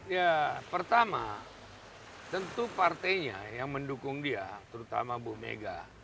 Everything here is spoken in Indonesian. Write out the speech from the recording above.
ya pertama tentu partainya yang mendukung dia terutama bu mega